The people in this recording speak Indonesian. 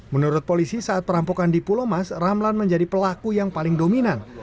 menurut polisi saat perampokan di pulau mas ramlan menjadi pelaku yang paling dominan